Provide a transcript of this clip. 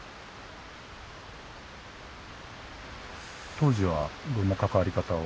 当時はどんな関わり方を？